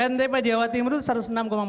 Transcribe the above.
ntp jawa timur itu satu ratus enam puluh